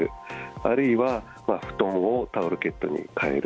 あるいは布団をタオルケットに変える。